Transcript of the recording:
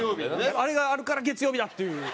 あれがあるから月曜日だっていう。